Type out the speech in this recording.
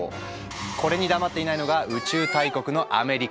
これに黙っていないのが宇宙大国のアメリカ。